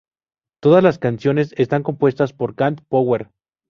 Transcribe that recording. Todas las canciones están compuestas por Cat Power.